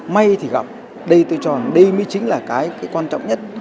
may thì gặp đây tôi chọn đây mới chính là cái quan trọng nhất